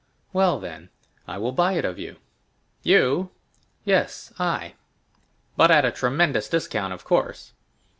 "Well, then, I will buy it of you!" "You?" "Yes, I!" "But at a tremendous discount, of course?"